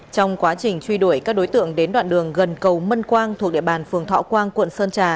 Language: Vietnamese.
trong quá trình truy đuổi các đối tượng đến đoạn đường gần cầu mân quang thuộc địa bàn phường thọ quang quận sơn trà